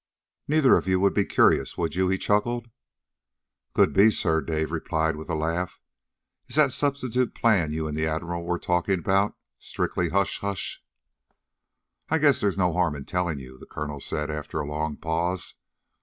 "Neither of you would be curious, would you?" he chuckled. "Could be, sir," Dave replied with a laugh. "Is that substitute plan you and the Admiral were talking about strictly hush hush?" "I guess there's no harm in telling you," the colonel said after a long pause.